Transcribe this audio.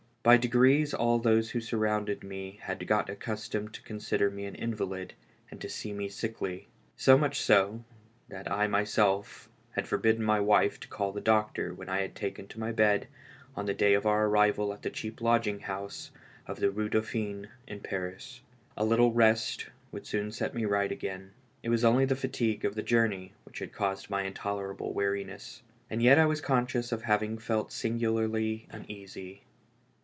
By degrees all those who surrounded me had got accustomed to consider me an invalid, and to see me sickly. So much so, that I my self had forbidden my wife to call in a doctor when I had taken to my bed on the day of our arrival at the cheap lodging house of the Eue Dauphine in Paris, A little rest would soon set me right again ; it was only the fatigue of the journey which had caused my intol erable weariness. And yet I was conscious of having felt singularly uneasy.